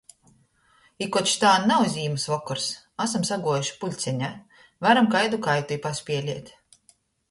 I koč tān nav zīmys vokors, asom saguojuši pulceņā, varom kaidu kaitu i paspielēt.